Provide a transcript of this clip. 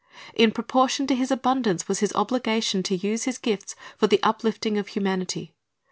In proportion to his abundance was his obligation to use his gifts for the uplifting of humanity.